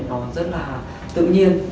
nó rất là tự nhiên